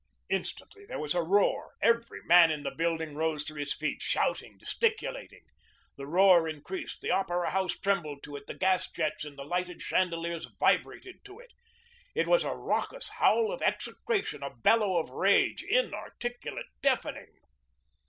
Instantly there was a roar. Every man in the building rose to his feet, shouting, gesticulating. The roar increased, the Opera House trembled to it, the gas jets in the lighted chandeliers vibrated to it. It was a raucous howl of execration, a bellow of rage, inarticulate, deafening.